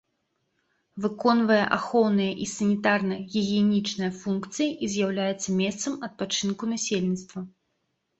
Выконвае ахоўныя і санітарна-гігіенічныя функцыі і з'яўляецца месцам адпачынку насельніцтва.